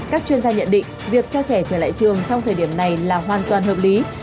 các chuyên gia nhận định việc cho trẻ trở lại trường trong thời điểm này là hoàn toàn hợp lý